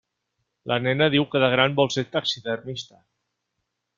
La nena diu que de gran vol ser taxidermista.